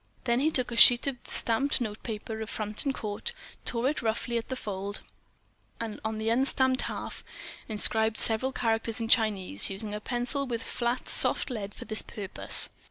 _ Then he took a sheet of the stamped notepaper of Frampton Court, tore it roughly, at the fold, and on the unstamped half inscribed several characters in Chinese, using a pencil with a fat, soft lead for this purpose.